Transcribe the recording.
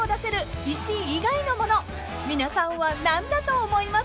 ［皆さんは何だと思いますか？］